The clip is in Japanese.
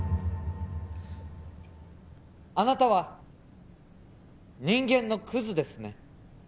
あなたは人間のクズですね